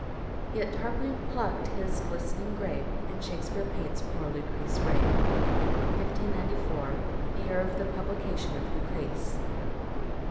" Yet Tarquyne pluckt his glistering grape, And Shake speare paints poore Lucrece rape." Only as (1594. The year of the publication of " Lucrece.")